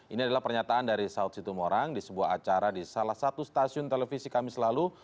ini adalah pernyataan dari saud situmorang di sebuah acara di salah satu stasiun televisi kami selalu